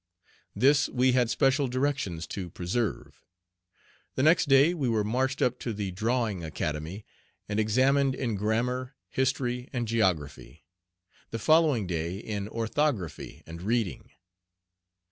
This we had special directions to preserve. The next day we were marched up to the Drawing Academy, and examined in grammar, history, and geography; the following day in orthography and reading.